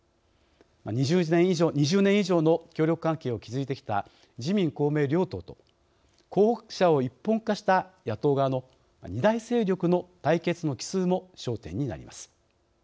２０年以上の協力関係を築いてきた自民・公明両党と候補者を一本化した野党側の２大勢力の対決の帰すうも焦点になります。